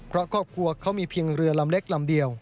เพราะครอบครัวเขามีเพียงเรือลำเล็กลำเดียว